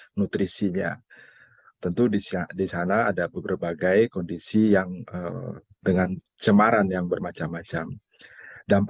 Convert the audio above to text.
jadi kita harus memahami seperti itu bahwa disitu ada manusia yang mengonsumsi sampah begitu ya yang ada di tpa